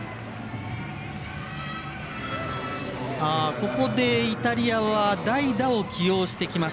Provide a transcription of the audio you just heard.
ここでイタリアは代打を起用してきます。